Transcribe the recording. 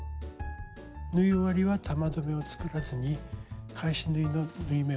縫い終わりは玉留めを作らずに返し縫いの縫い目を割って留めていきます。